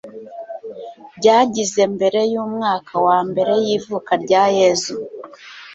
byagize mbere y umwaka wa mbere y ivuka rya Yezu